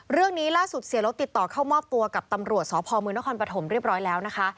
เรื่องนี้ล่าสุดเสียลบติดต่อเข้ามอบตัวกับตำรวจสพมนครปฐมเรียบร้อยแล้วนะคะ